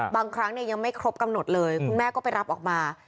บางครั้งยังไม่ครบกำหนดเลยคุณแม่ก็ไปรับออกมา